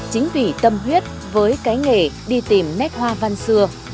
chính vì tâm huyết với cái nghề đi tìm nét hoa văn xưa